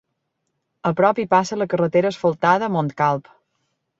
A prop hi passa la carretera asfaltada a Montcalb.